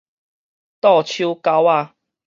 倒手狗仔